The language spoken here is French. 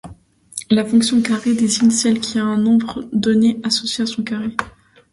La fonction carré désigne celle qui, à un nombre donné associe son carré.